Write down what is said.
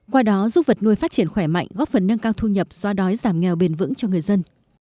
qua đó giúp vật nuôi phát triển khỏe mạnh góp phần nâng cao thu nhập do đói giảm nghèo bền vững cho người dân